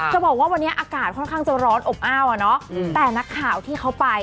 จะบอกว่าวันนี้อากาศค่อนข้างจะร้อนอบอ้าวอ่ะเนอะแต่นักข่าวที่เขาไป